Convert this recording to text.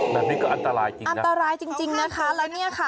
แบบนี้ก็อันตรายจริงอันตรายจริงจริงนะคะแล้วเนี่ยค่ะ